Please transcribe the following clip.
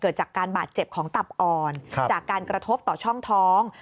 จากการบาดเจ็บของตับอ่อนจากการกระทบต่อช่องท้อง